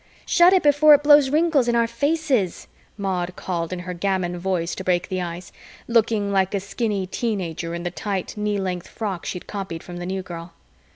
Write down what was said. "Shut it before it blows wrinkles in our faces," Maud called in her gamin voice to break the ice, looking like a skinny teen ager in the tight, knee length frock she'd copied from the New Girl.